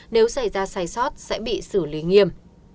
nếu xảy ra sai sót sẽ bị xử lý nghiêm